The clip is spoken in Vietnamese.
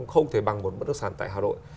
không thể bằng một bất động sản tại hà nội